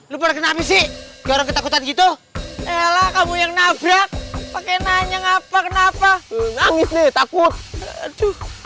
lupa kenapa sih ketakutan gitu elah kamu yang nabrak pakai nanya ngapa ngapa nangis takut